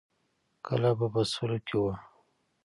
کله به په سلو کې وه.